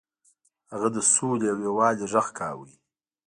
هغه د سولې او یووالي غږ کاوه.